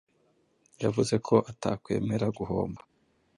yavuze ko atakwemera guhomba